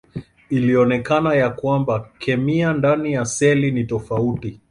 Ilionekana ya kwamba kemia ndani ya seli ni tofauti.